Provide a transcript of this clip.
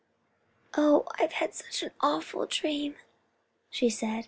"Oh, I have had such an awful dream," she said.